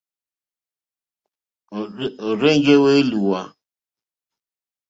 Ò rzênjé wélùwà.